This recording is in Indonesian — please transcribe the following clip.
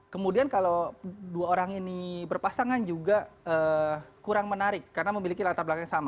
kemudian kalau dua orang ini berpasangan juga kurang menarik karena memiliki latar belakang yang sama